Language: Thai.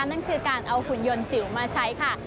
นั่นคือการเอาหุ่นยนต์จิ๋วมาใช้ค่ะ